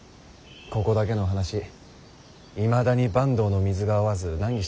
ここだけの話いまだに坂東の水が合わず難儀しています。